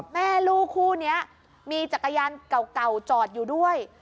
แม่ลูกคู่นี้มีจักรยานเก่าจอดอยู่ด้วย